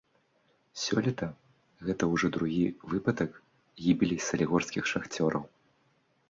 Сёлета гэта ўжо другі выпадак гібелі салігорскіх шахцёраў.